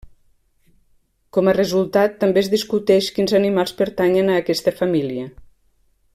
Com a resultat, també es discuteix quins animals pertanyen a aquesta família.